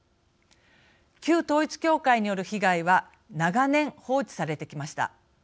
旧統一教会による被害は長年放置されてきました。